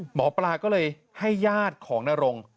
หมอปลาก็เลยให้ญาติของนรง